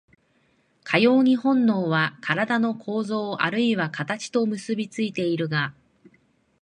かように本能は身体の構造あるいは形と結び付いているが、